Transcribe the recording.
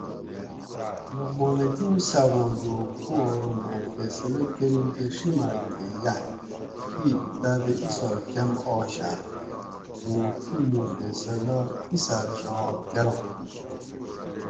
لقمان حکیم صاباں لوک پو ارو مہ فیصلہ کۤروکہ ڛینماک تھی یائے کِیک تاتہ اِیسال کم آش آ؟ اوں تو موں فیصلہ اِیساۤل ڛا کۤرانت